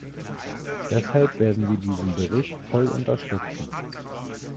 Deshalb werden wir diesen Bericht voll unterstützen.